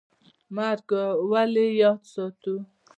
مرګ ولې یاد ساتو؟